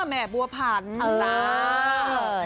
แม่บัวพันธ์